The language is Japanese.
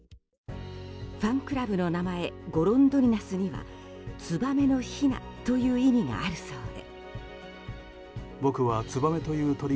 ファンクラブの名前ゴロンドリナスにはツバメのひなという意味があるそうで。